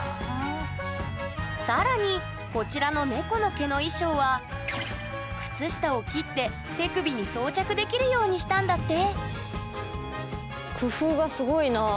更にこちらの猫の毛の衣装は手首に装着できるようにしたんだって！